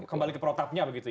kembali ke protapnya begitu ya